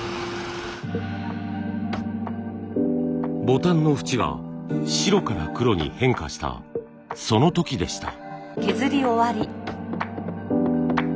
ボタンの縁が白から黒に変化したその時でした。